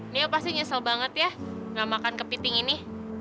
neo pasti nyesel banget ya nggak makan kepiting ini